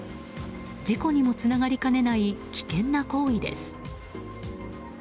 事故にもつながりかねない危険な行為です。